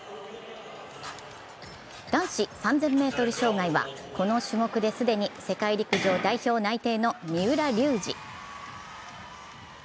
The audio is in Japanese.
男子３０００ｍ障害は、この種目で既に世界陸上代表内定の三浦龍司。